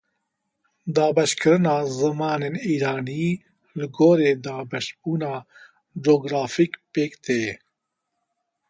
Dabeşkirina zimanên îranî li gorî dabeşbûna cografîk pêk tê.